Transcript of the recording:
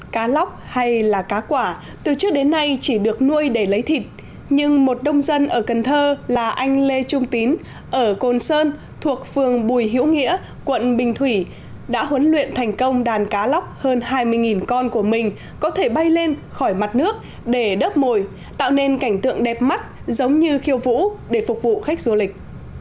cá lóc hay là cá quả từ trước đến nay chỉ được nuôi để lấy thịt nhưng một đông dân ở cần thơ là anh lê trung tín ở cồn sơn thuộc phường bùi hiễu nghĩa quận bình thủy đã huấn luyện thành công đàn cá lóc hơn hai mươi con của mình có thể bay lên khỏi mặt nước để đớp mồi tạo nên cảnh tượng đẹp mắt giống như khiêu vũ để phục vụ khách du lịch